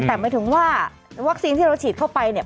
แต่หมายถึงว่าวัคซีนที่เราฉีดเข้าไปเนี่ย